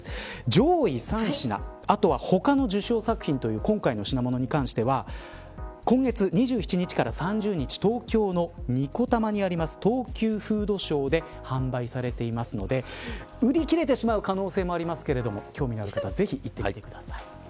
上位３品あとは、他の受賞作品という今回の品物に関しては今月２７日から３０日東京の二子玉にある東急フードショーで販売されていますので売り切れてしまう可能性もありますけれども興味ある方ぜひ行ってみてください。